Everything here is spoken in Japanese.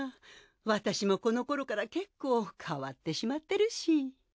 私もこの頃から結構変わってしまってるし。